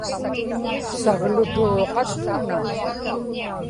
sagluturuq asuuna